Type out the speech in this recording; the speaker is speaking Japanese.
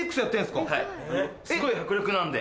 すごい迫力なんで。